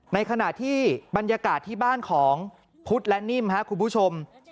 ในขณะที่บรรยากาศที่บ้านของพุทธและนิ่มครับคุณผู้ชม